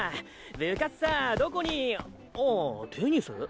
部活さぁどこにあテニス？